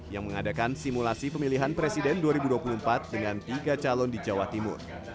yang mengadakan simulasi pemilihan presiden dua ribu dua puluh empat dengan tiga calon di jawa timur